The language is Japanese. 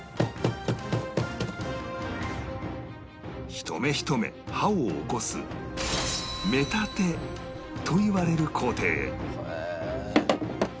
一目一目刃を起こす目立てといわれる工程